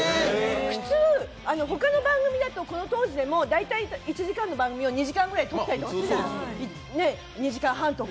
普通、他の番組だと、この当時でも大体１時間の番組を２時間ぐらいで撮ったりするじゃないですか、２時間半とか。